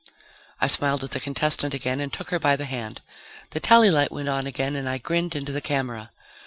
I smiled at the contestant again and took her by the hand. The tally light went on again and I grinned into the camera.